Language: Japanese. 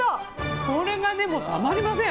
これがでもたまりません。